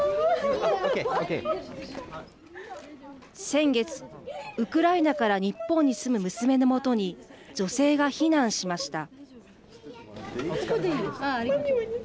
先月、ウクライナから日本に住む娘の元に女性が避難しました。